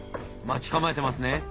待ち構えてますね。